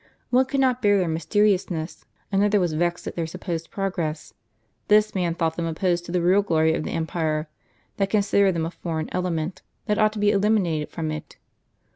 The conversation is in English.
One could not bear their mysteriousness, another was vexed at their sup posed progress ; this man thought them opposed to the real glory of the empire, that considered them a foreign element, that ought to be eliminated from it.